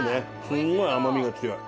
すごい甘みが強い。